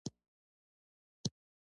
سترګې نه رڼې کېدې.